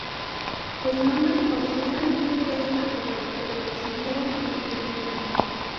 El nombre, originalmente, fue sólo una broma, pero decidieron mantenerlo.